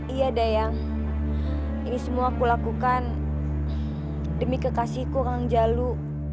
iya daya ini semua aku lakukan demi kekasihku kang jalu